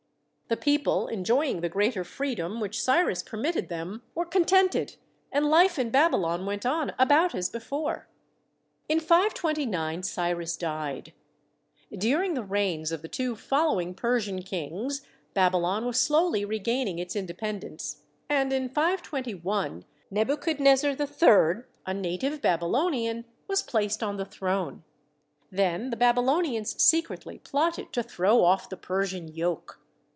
The people, enjoying the greater freedom which Cyrus permitted them, were con tented, and life in Babylon went on about as be fore. In 529 Cyrus died. During the reigns of the two following Persian kings Babylon was slowly regaining its independence, and in 521 Nebuchadnezzar III., a native Babylonian, was 58 THE SEVEN WONDERS placed on the throne. Then the Babylonians secretly plotted to throw off the Persian yoke.